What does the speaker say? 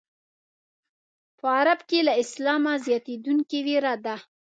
په غرب کې له اسلامه زیاتېدونکې وېره ده.